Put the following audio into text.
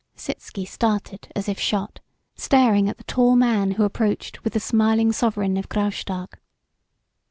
Sitzky started as if shot, Raring at the tall man who approached with the smiling Sovereign of Graustark.